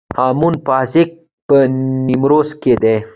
هامون پوزک په نیمروز کې دی